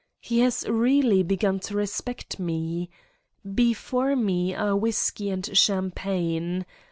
He has really begun to respect me. Before me are whiskey and champagne.